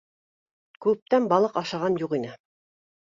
Күптән балыҡ ашаған юҡ ине.